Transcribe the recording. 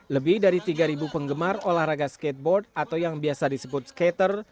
lebih dari tiga penggemar olahraga skateboard atau yang biasa disebut skater